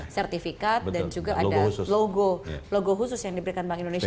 sertifikat dan juga ada logo khusus yang diberikan bank indonesia